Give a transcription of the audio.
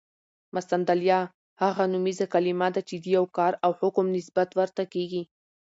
مسندالیه: هغه نومیزه کلیمه ده، چي د یو کار او حکم نسبت ورته کیږي.